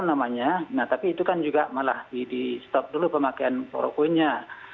nah tapi itu kan juga malah di stop dulu pemakaian prokonya